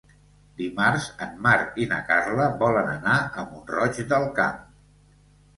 Dimarts en Marc i na Carla volen anar a Mont-roig del Camp.